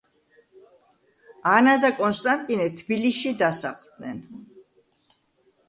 ანა და კონსტანტინე თბილისში დასახლდნენ.